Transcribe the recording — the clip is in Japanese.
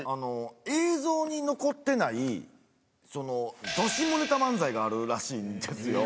映像に残ってない、ド下ネタ漫才があるらしいんですよ。